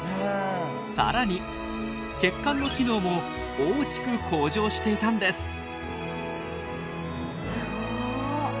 更に血管の機能も大きく向上していたんです。